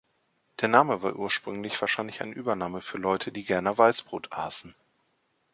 Der Name war ursprünglich wahrscheinlich ein Übername für Leute, die gerne Weißbrot aßen.